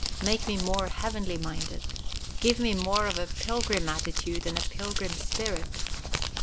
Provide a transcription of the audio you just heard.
Make me more heavenly minded. Give me more of a pilgrim attitude and a pilgrim spirit.